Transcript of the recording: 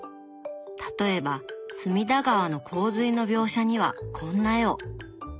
例えば隅田川の洪水の描写にはこんな絵を。